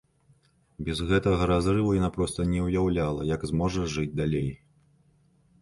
Без гэтага разрыву яна проста не ўяўляла, як зможа жыць далей.